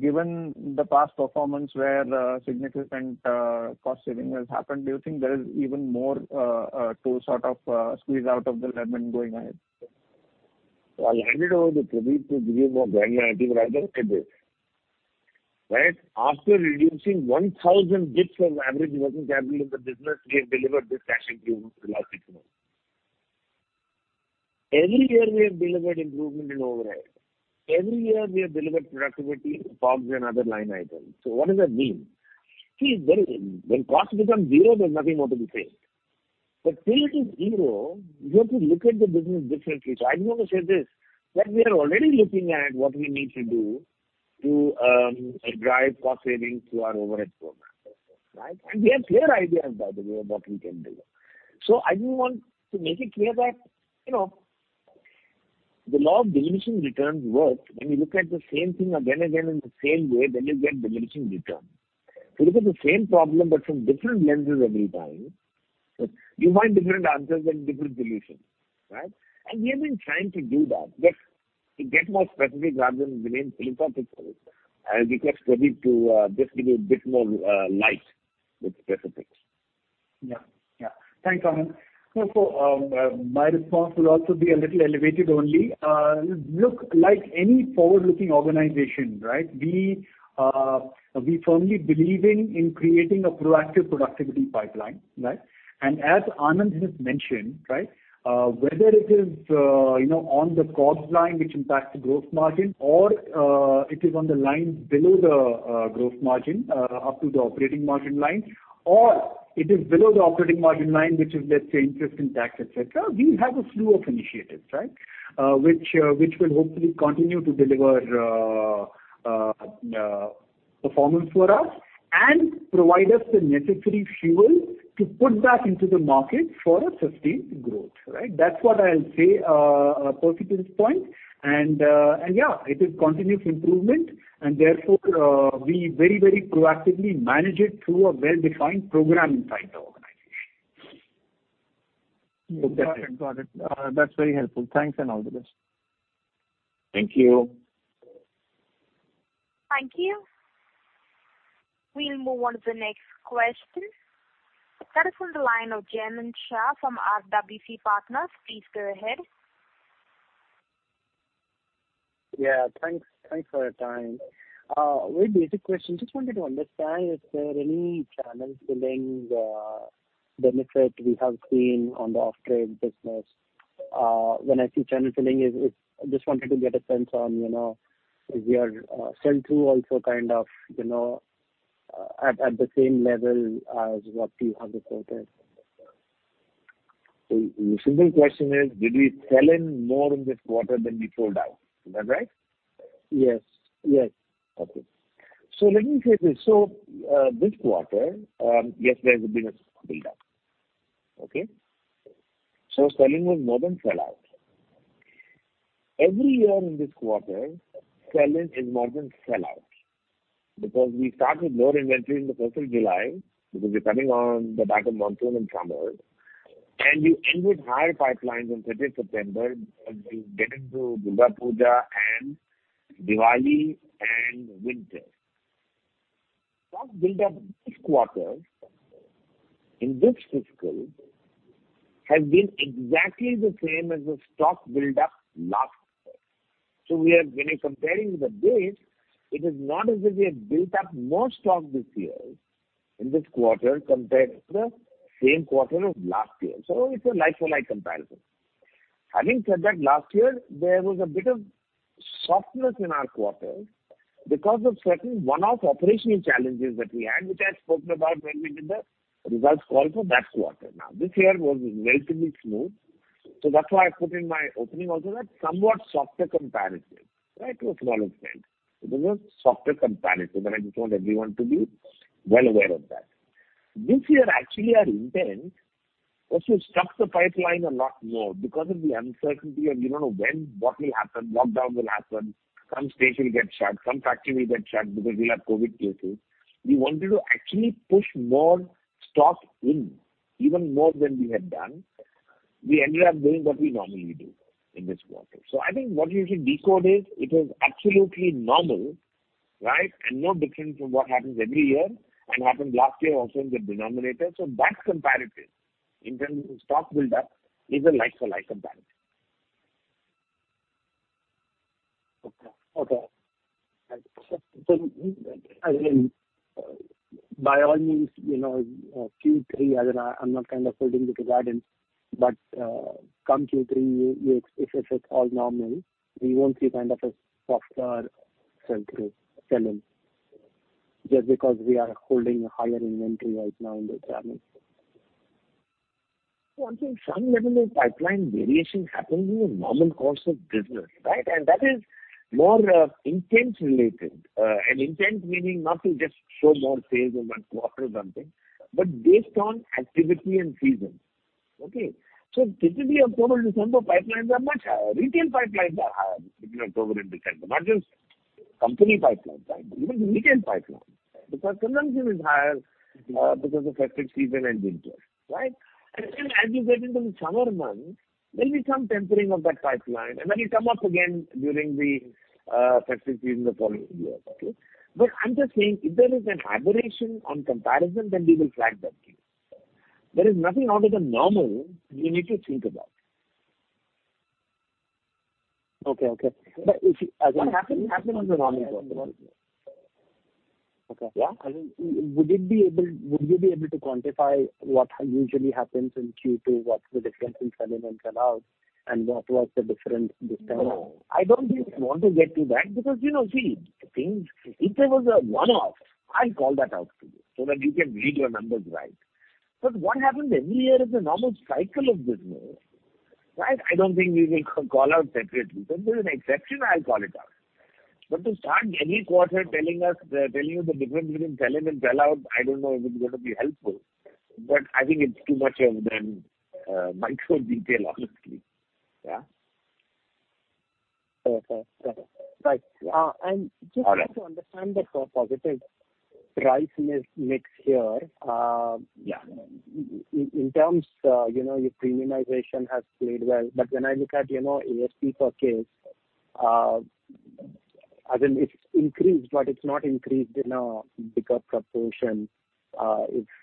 given the past performance where significant cost savings have happened. Do you think there is even more to sort of squeeze out of the lemon going ahead? I'll hand it over to Pradeep to give you more granularity, but I'll just say this, right? After reducing 1,000 basis points of average working capital in the business, we have delivered this cash improvement for the last six months. Every year, we have delivered improvement in overhead. Every year, we have delivered productivity in the COGS and other line items. So what does that mean? See, when costs become zero, there's nothing more to be saved. But till it is zero, you have to look at the business differently. So I just want to say this: that we are already looking at what we need to do to drive cost savings through our overhead program, right? And we have clear ideas, by the way, of what we can do. So I just want to make it clear that the law of diminishing returns works when you look at the same thing again and again in the same way, then you get diminishing return. So look at the same problem but from different lenses every time. You find different answers and different solutions, right? And we have been trying to do that, but to get more specific rather than remain philanthropic, I request Pradeep to just give you a bit more light with specifics. Yeah, yeah. Thanks, Anand. So my response will also be a little elevated only. Look, like any forward-looking organization, right, we firmly believe in creating a proactive productivity pipeline, right? And as Anand has mentioned, right, whether it is on the cost line, which impacts the gross margin, or it is on the line below the gross margin up to the operating margin line, or it is below the operating margin line, which is, let's say, interest and tax, etc., we have a slew of initiatives, right, which will hopefully continue to deliver performance for us and provide us the necessary fuel to put back into the market for a sustained growth, right? That's what I'll say, Percy's point. And yeah, it is continuous improvement, and therefore, we very, very proactively manage it through a well-defined program inside the organization. Perfect. Got it. That's very helpful. Thanks, and all the best. Thank you. Thank you. We'll move on to the next question. That is from the line of Jaimin Shah from RWC Partners. Please go ahead. Yeah. Thanks for your time. Very basic question. Just wanted to understand, is there any channel filling benefit we have seen on the off-trade business? When I say channel filling, I just wanted to get a sense on, is your sell-through also kind of at the same level as what you have reported? The missing question is, did we sell in more in this quarter than we pulled out? Is that right? Yes. Okay. So let me say this. So this quarter, yes, there has been a sell-through. Okay? So selling was more than sell-out. Every year in this quarter, selling is more than sell-out because we start with lower inventory in the first of July because we're coming on the back of monsoon and summer. And you end with higher pipelines on September 30th, and you get into Dussehra and Diwali and winter. Stock buildup this quarter in this fiscal has been exactly the same as the stock buildup last quarter. So when you're comparing the date, it is not as if we have built up more stock this year in this quarter compared to the same quarter of last year. So it's a life-for-life comparison. Having said that, last year, there was a bit of softness in our quarter because of certain one-off operational challenges that we had, which I had spoken about when we did the results call for that quarter. Now, this year was relatively smooth, so that's why I put in my opening also that somewhat softer comparison, right, to a small extent. It was a softer comparison, and I just want everyone to be well aware of that. This year, actually, our intent was to stock the pipeline a lot more because of the uncertainty of, you don't know when, what will happen, lockdown will happen, some states will get shut, some factories will get shut because we'll have COVID cases. We wanted to actually push more stock in, even more than we had done. We ended up doing what we normally do in this quarter. So, I think what you should decode is it is absolutely normal, right, and no different from what happens every year and happened last year also in the denominator. So, that comparison in terms of stock buildup is a like-for-like comparison. So by all means, Q3, I'm not kind of holding the guidance, but come Q3, if it's all normal, we won't see kind of a softer sell-through, sell-in, just because we are holding a higher inventory right now in the channel. One thing, some level of pipeline variation happens in the normal course of business, right? And that is more intent-related. And intent meaning not to just show more sales in one quarter or something, but based on activity and season. Okay? So typically, October-December pipelines are much higher. Retail pipelines are higher between October and December, not just company pipelines, right? Even retail pipelines because consumption is higher because of festive season and winter, right? And then as you get into the summer months, there'll be some tempering of that pipeline, and then it comes up again during the festive season the following year. Okay? But I'm just saying if there is an aberration on comparison, then we will flag that case. There is nothing out of the normal you need to think about. Okay. But if. What happens in the normal quarter? Okay. Yeah? I mean, would you be able to quantify what usually happens in Q2, what's the difference in sell-in and sell-out, and what was the difference this time? No. I don't think we want to get to that because see, if there was a one-off, I'll call that out to you so that you can read your numbers right. But what happens every year is the normal cycle of business, right? I don't think we will call out separately. So if there's an exception, I'll call it out. But to start every quarter telling us the difference between sell-in and sell-out, I don't know if it's going to be helpful, but I think it's too much of the micro-detail, honestly. Yeah? Okay. Got it. Right. And just to understand the cost positive price mix here, in terms your premiumization has played well, but when I look at ASP per case, it's increased, but it's not increased in a bigger proportion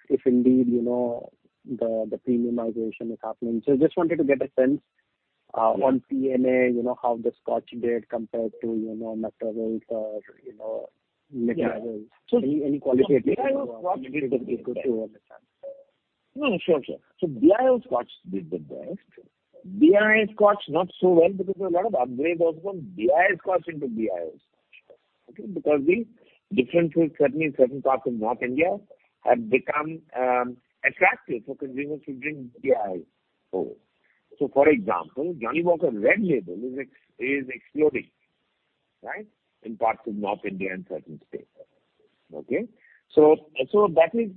if indeed the premiumization is happening. So I just wanted to get a sense on P&A, how the Scotch did compared to McDowell's or Mid-Average. Any qualitative indicators to understand? No, sure, sure. So BII Scotch did the best. BIO Scotch not so well because there were a lot of upgrade also from BII Scotch into BIO Scotch, okay, because the difference is certainly in certain parts of North India have become attractive for consumers to drink BIO Scotch. So for example, Johnnie Walker Red Label is exploding, right, in parts of North India and certain states. Okay? So that is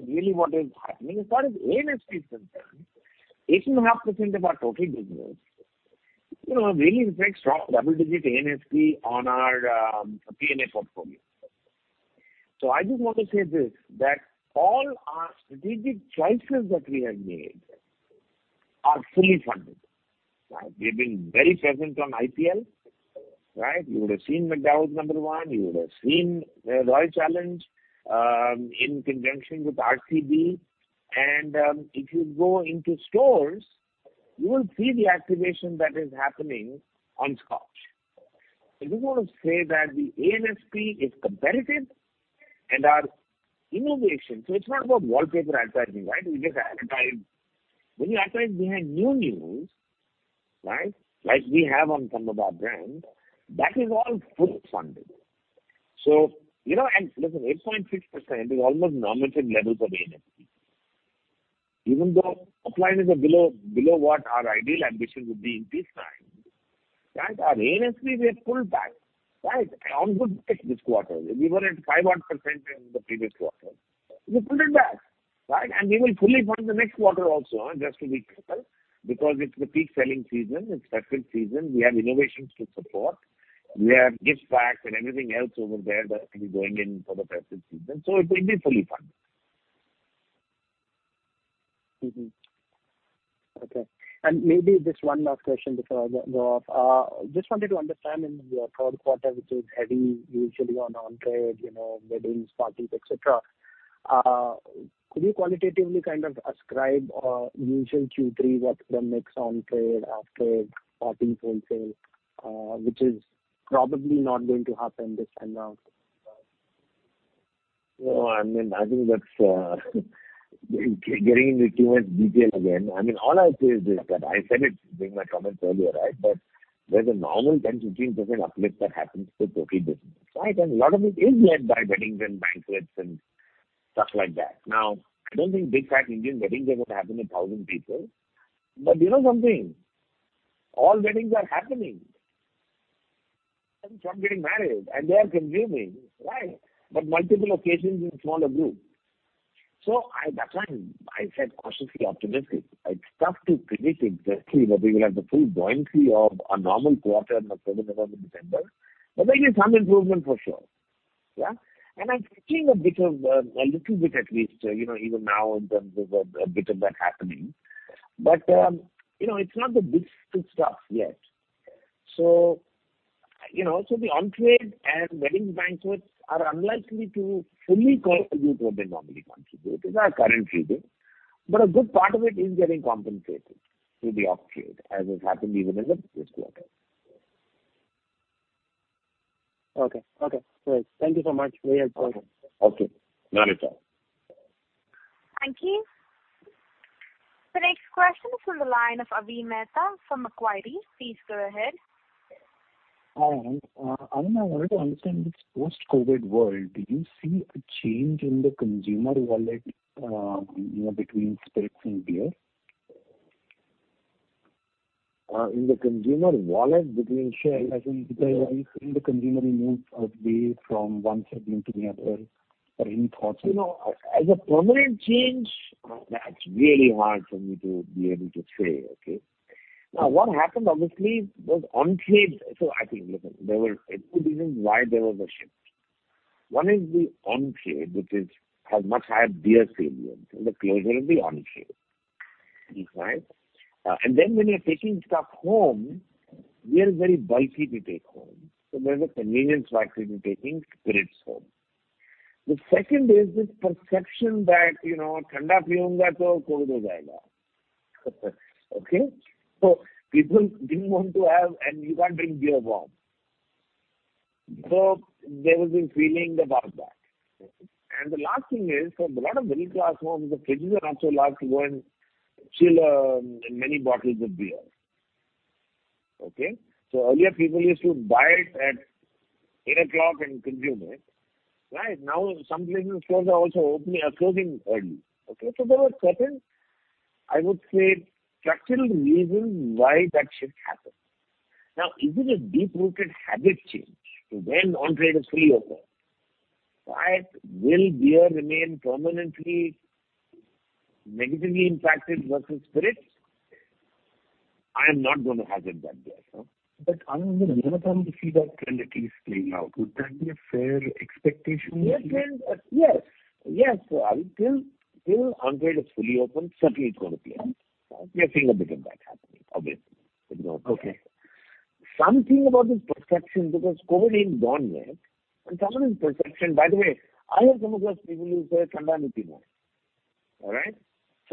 really what is happening. As far as A&P is concerned, 8.5% of our total business really reflects double-digit A&P on our P&A portfolio. So I just want to say this, that all our strategic choices that we have made are fully funded, right? We have been very present on IPL, right? You would have seen McDowell's No.1. You would have seen Royal Challenge in conjunction with RCB. If you go into stores, you will see the activation that is happening on Scotch. I just want to say that the A&P is competitive and our innovation, so it's not about wallpaper advertising, right? We just advertise. When you advertise behind new news, right, like we have on some of our brands, that is all fully funded. So listen, 8.6% is almost normative levels of A&P, even though top lines are below what our ideal ambition would be in peak time, right? Our A&P, we have pulled back, right, on good tech this quarter. We were at 5-odd% in the previous quarter. We pulled it back, right? And we will fully fund the next quarter also, just to be careful, because it's the peak selling season. It's festive season. We have innovations to support. We have gift packs and everything else over there that we're going in for the festive season. So it will be fully funded. Okay. And maybe just one last question before I go off. Just wanted to understand in your third quarter, which is heavy usually on-trade, weddings, parties, etc., could you qualitatively kind of ascribe a usual Q3, what's the mix on-trade, off-trade, parties, wholesale, which is probably not going to happen this time around? I mean, I think that's getting into too much detail again. I mean, all I say is this, that I said it during my comments earlier, right? But there's a normal 10%-15% uplift that happens to the total business, right? And a lot of it is led by weddings and banquets and stuff like that. Now, I don't think big fat Indian weddings are going to happen in 1,000 people. But you know something? All weddings are happening. Some getting married, and they are consuming, right, but multiple occasions in smaller groups. So that's why I said cautiously optimistic. It's tough to predict exactly that we will have the full buoyancy of a normal quarter in October-November-December, but there'll be some improvement for sure. Yeah? And I'm seeing a bit of a little bit at least, even now, in terms of a bit of that happening. But it's not the big stuff yet. So the on-trade and wedding banquets are unlikely to fully contribute what they normally contribute. It's our current reading, but a good part of it is getting compensated through the off-trade, as has happened even in the previous quarter. Okay. Okay. Great. Thank you so much. Very helpful. Okay. Okay. Not at all. Thank you. The next question is from the line of Avi Mehta from Macquarie. Please go ahead. Hi, Anand. Anand, I wanted to understand, in this post-COVID world, do you see a change in the consumer wallet between spirits and beer? In the consumer wallet between share investments, in the consumer moves away from one segment to the other, or any thoughts on that? As a permanent change, that's really hard for me to be able to say. Okay? Now, what happened, obviously, was on-trade. So I think, listen, there were two reasons why there was a shift. One is the on-trade, which has much higher beer sales in the closure of the on-trade, right? And then when you're taking stuff home, beer is very bulky to take home. So there's a convenience factor to taking spirits home. The second is this perception that [Thanda piyunga], so COVID is over. Okay? So people didn't want to have, and you can't drink beer warm. So there was this feeling about that. And the last thing is, for a lot of middle-class homes, the fridges are not so large to go and chill many bottles of beer. Okay? So earlier, people used to buy it at eight o'clock and consume it, right? Now, some places' stores are also opening early. Okay? So there were certain, I would say, structural reasons why that shift happened. Now, is it a deep-rooted habit change to when on-trade is fully open? Right? Will beer remain permanently negatively impacted versus spirits? I am not going to hazard that guess. But Anand, when the feedback trend is playing out, would that be a fair expectation? Yes. Yes. Yes. Until on-trade is fully open, certainly it's going to play. We are seeing a bit of that happening, obviously, with no doubt. Okay. Something about this perception because COVID ain't gone yet, and some of this perception by the way, I have some of those people who say, ["Thanda nahi piyunga."] All right,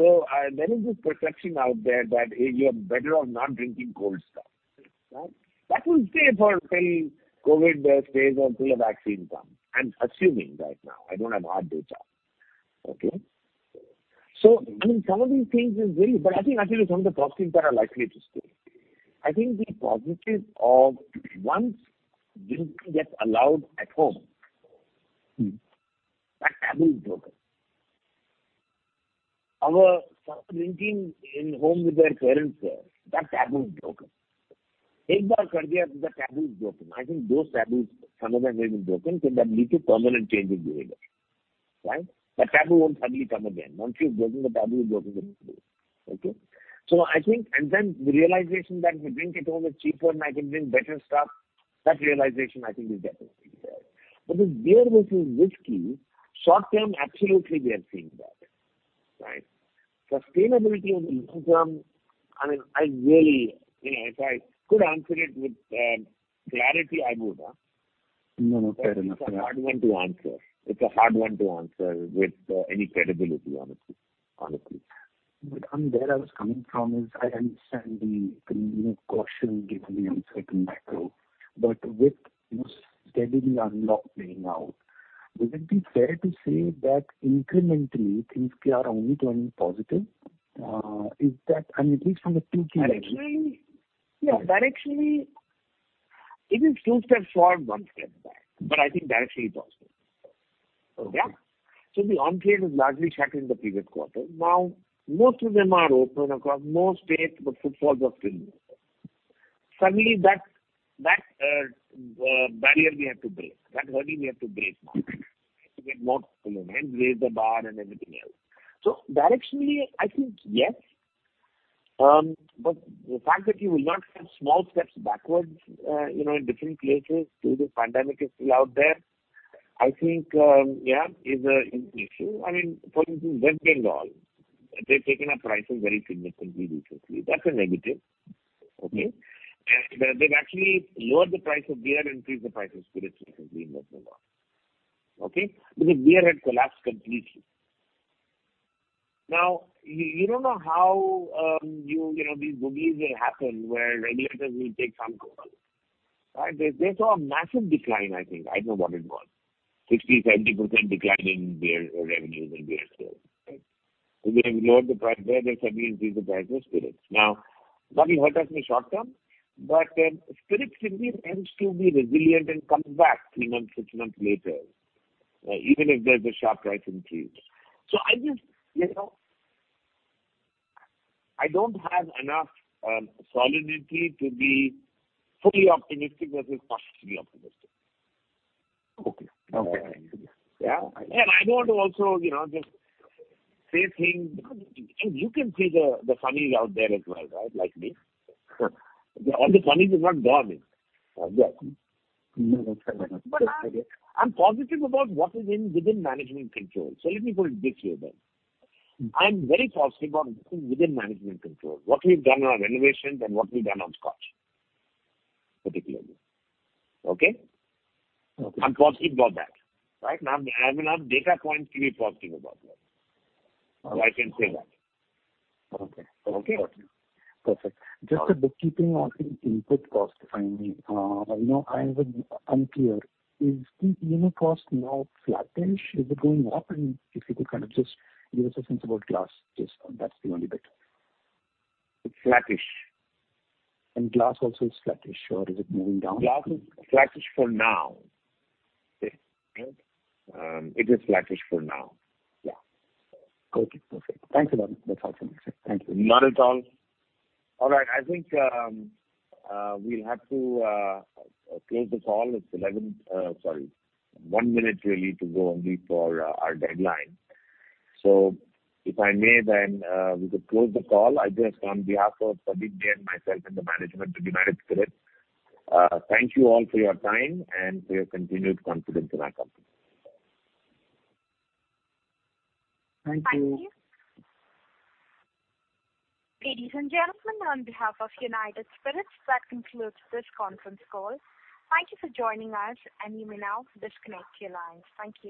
so there is this perception out there that you're better off not drinking cold stuff, right? That will stay until COVID stays until the vaccine comes. I'm assuming right now. I don't have hard data. Okay, so I mean, some of these things are really, but I think some of the positives are likely to stay. I think the positive of once drinking gets allowed at home, that taboo is broken. Our sons drinking in home with their parents there, that taboo is broken. Take, [bar kar diya], the taboo is broken. I think those taboos, some of them have been broken, so that leads to permanent changes behavior, right? That taboo won't suddenly come again. Once you've broken the taboo, you've broken the taboo. Okay? So I think, and then the realization that if I drink at home, it's cheaper, and I can drink better stuff, that realization, I think, is definitely there. But if beer versus whisky, short term, absolutely we are seeing that, right? Sustainability over the long term, I mean, I really, if I could answer it with clarity, I would. No, no. Fair enough. It's a hard one to answer. It's a hard one to answer with any credibility, honestly. But the point I was coming from is, I understand the caution given the uncertain macro, but with most states steadily unlocking playing out, would it be fair to say that incrementally, things are only turning positive? Is that, I mean, at least from the two key measures. Directly, yeah. Directly, it is two steps forward, one step back. But I think directly it's positive. Yeah? So the on-trade has largely shuttered in the previous quarter. Now, most of them are open across more states, but footfalls are still low. So, that barrier we have to break. That hurdle we have to break now. We have to get more people in and raise the bar and everything else. So directionally, I think yes. But the fact that you will not have small steps backwards in different places due to the pandemic is still out there, I think, yeah, is an issue. I mean, for instance, West Bengal, they've taken up prices very significantly recently. That's a negative. Okay? And they've actually lowered the price of beer and increased the price of spirits recently in West Bengal. Okay? Because beer had collapsed completely. Now, you don't know how these bogeys will happen where regulators will take a call, right? They saw a massive decline, I think. I don't know what it was. 60%-70% decline in beer revenues and beer sales, right? So they've said, "We increase the price of spirits." Now, that will hurt us in the short term, but spirits still tend to be resilient and come back three months, six months later, even if there's a sharp price increase. So I just. I don't have enough visibility to be fully optimistic versus positively optimistic. Okay. Okay. Yeah? And I don't want to also just say things, and you can see the funnies out there as well, right, like me. All the funnies are not gone. No, that's fair enough. But I'm positive about what is within management control. So let me put it this way then. I'm very positive about what is within management control, what we've done on renovations and what we've done on Scotch, particularly. Okay? Okay. I'm positive about that, right? I have enough data points to be positive about that. So I can say that. Okay. Perfect. Just the bookkeeping on input cost, finally. I have an unclear. Is the cost now flattish? Is it going up? And if you could kind of just give us a sense about glass, just that's the only bit. It's flattish. And glass also is flattish, or is it moving down? Glass is flattish for now. Okay? Right? It is flattish for now. Yeah. Okay. Perfect. Thanks a lot. That's all for me. Thank you. Not at all. All right. I think we'll have to close the call. It's 11, sorry, one minute really to go only for our deadline. So if I may, then we could close the call. I just, on behalf of Pradeep Jain, myself and the management team, with that, thank you all for your time and for your continued confidence in our company. Thank you. Thank you. Ladies and gentlemen, on behalf of United Spirits, that concludes this conference call. Thank you for joining us, and you may now disconnect your lines. Thank you.